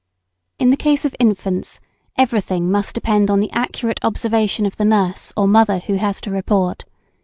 In the case of infants, everything must depend upon the accurate observation of the nurse or mother who has to report.